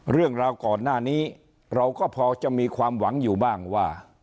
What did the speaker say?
เรื่องราวก่อนหน้านี้เราก็พอจะมีความหวังอยู่บ้างว่า